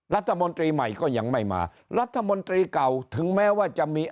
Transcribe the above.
รัฐมนตรีใหม่ก็ยังไม่มารัฐมนตรีเก่าถึงแม้ว่าจะมี